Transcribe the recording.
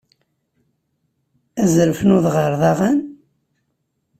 Azref n udɣar d aɣan?